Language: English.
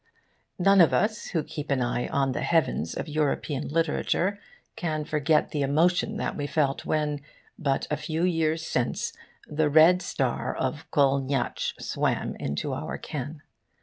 None of us who keep an eye on the heavens of European literature can forget the emotion that we felt when, but a few years since, the red star of Kolniyatsch swam into our ken.